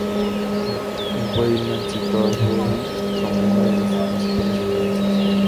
Weiland citó a Bowie como una de sus principales influencias.